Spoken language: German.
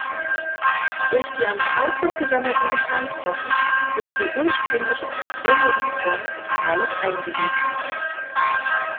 Durch die am Talgrund gesammelten Gesteinsbrocken wurde die ursprünglich extreme U-Form des Tales eingeebnet.